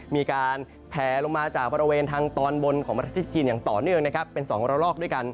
มีการแผลลงมาจากประเทศไตน์ของประเทศชีนของมาตรฐานต่อเนื่องนะครับเป็นสองวอรลอกด้วยกัน